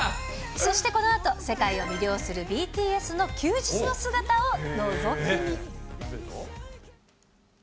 そしてこのあと、世界を魅了するＢＴＳの休日の姿をのぞき見？